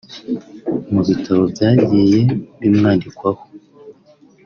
Mu bitabo byagiye bimwandikwaho